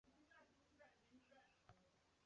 紫柄蹄盖蕨为蹄盖蕨科蹄盖蕨属下的一个种。